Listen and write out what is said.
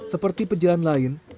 seperti penjalan lain